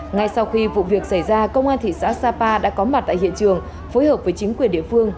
ngay sau khi vụ việc xảy ra công an thị xã sapa đã có mặt tại hiện trường phối hợp với chính quyền địa phương